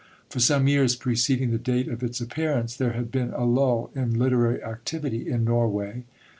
For some years preceding the date of its appearance there had been a lull in literary activity in Norway.